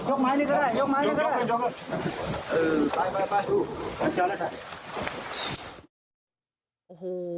โอ้โห